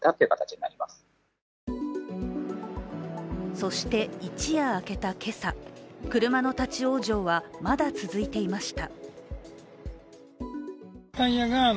そして、一夜明けた今朝、車の立往生はまだ続いていました。